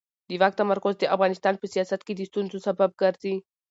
د واک تمرکز د افغانستان په سیاست کې د ستونزو سبب ګرځي